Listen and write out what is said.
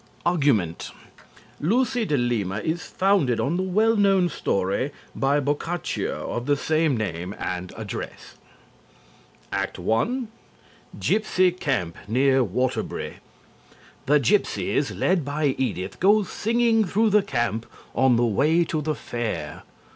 _ ARGUMENT "Lucy de Lima," is founded on the well known story by Boccaccio of the same name and address. ACT I Gypsy Camp Near Waterbury. The gypsies, led by Edith, go singing through the camp on the way to the fair.